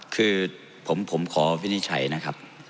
คือผมขอวินิจฉัยนะครับ